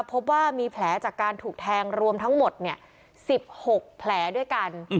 พบว่ามีแผลจากการถูกแทงรวมทั้งหมด๑๖แผลด้วยกัน